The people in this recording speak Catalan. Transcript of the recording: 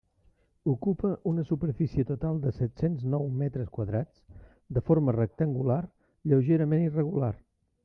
Ocupa una superfície total de set-cents nou metres quadrats, de forma rectangular, lleugerament irregular.